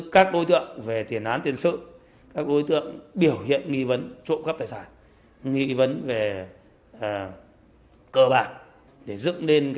là do đối tượng không có tài sản